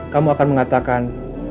kamu akan mengatakan